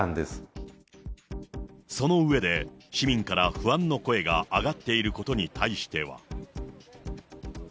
その上で、市民から不安の声が上がっていることに対しては。